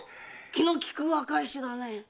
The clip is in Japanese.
気の利く若い衆だねえ。